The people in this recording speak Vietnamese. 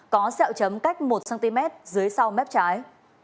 có xeo chấm cách một cm dưới sau mép trái